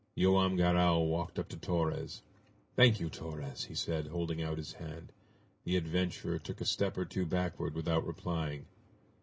Joam Garral walked up to Torres. "Thank you, Torres!" he said, holding out his hand. The adventurer took a step or two backward without replying.